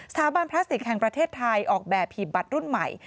สาบานพลาสติกแห่งประเทศไทยออกแบบหีบบัตรรุ่นใหม่